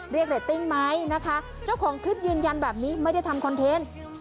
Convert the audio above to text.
เรตติ้งไหมนะคะเจ้าของคลิปยืนยันแบบนี้ไม่ได้ทำคอนเทนต์